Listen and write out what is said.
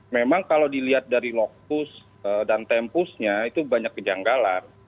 memang kalau dilihat dari lokus dan tempusnya itu banyak kejanggalan